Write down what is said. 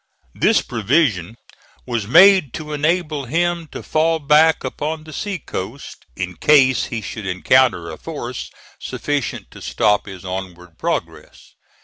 This provision was made to enable him to fall back upon the sea coast, in case he should encounter a force sufficient to stop his onward progress.